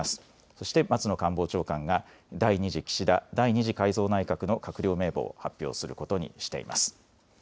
そして松野官房長官が第２次岸田第２次改造内閣の閣僚名簿を発表することにしています。